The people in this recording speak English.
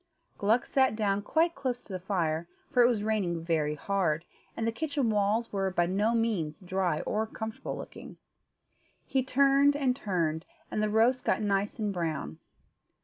Gluck sat down quite close to the fire, for it was raining very hard, and the kitchen walls were by no means dry or comfortable looking. He turned and turned, and the roast got nice and brown.